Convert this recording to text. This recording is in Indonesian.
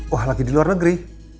wah lagi di luar negeri